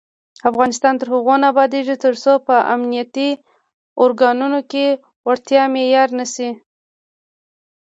افغانستان تر هغو نه ابادیږي، ترڅو په امنیتي ارګانونو کې وړتیا معیار نشي.